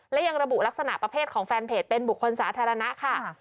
และยังระบุลักษณะประเภทของแฟนเพจเป็นบุคคลสาธารณะค่ะ